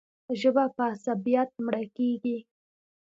ژبه په عصبیت مړه کېږي.